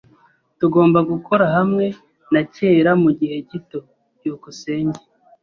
Tugomba gukora hamwe na kera mugihe gito. byukusenge